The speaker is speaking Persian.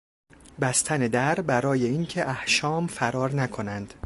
بستن در برای اینکه احشام فرار نکنند